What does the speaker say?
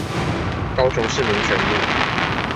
高雄市民權路